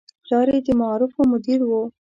پلار یې د معارفو مدیر و.